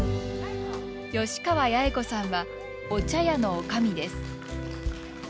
吉川弥栄子さんはお茶屋のおかみです。